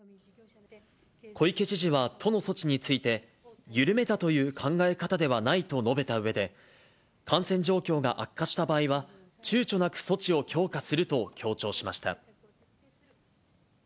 小池知事は都の措置について、緩めたという考え方ではないと述べたうえで、感染状況が悪化した場合は、ちゅうちょなく措置を強化すると強調しました。